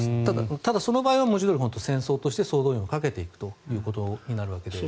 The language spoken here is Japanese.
ただ、その場合はもちろん戦争として総動員をかけていくことになるわけで。